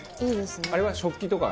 あれは食器とか。